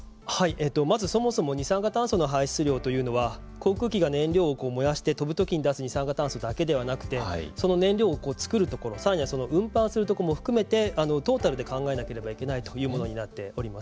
まず、そもそも二酸化炭素の排出量というのは航空機が燃料を燃やして飛ぶときに出す二酸化炭素だけではなくてその燃料をつくるところさらにはその運搬するところも含めてトータルで考えなければいけないというものになっております。